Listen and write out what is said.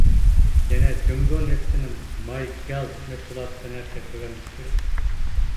يەنە جۇڭگو نېفىتىنىڭ ماي گاز مەشغۇلاتى تەننەرخى تۆۋەنلىشى كېرەك.